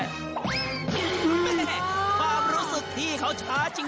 ความรู้สึกพี่เขาช้าจริง